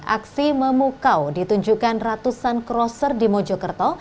aksi memukau ditunjukkan ratusan crosser di mojokerto